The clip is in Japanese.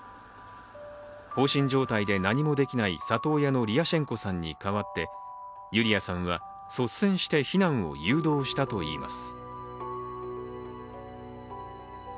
放心状態で何もできない里親のリアシェンコさんに代わってユリアさんは率先して避難を誘導したといいます。